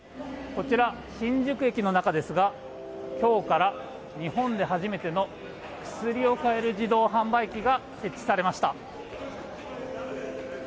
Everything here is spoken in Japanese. こちら、新宿駅の中ですが今日から日本で初めての薬を買える自動販売機が設置されました。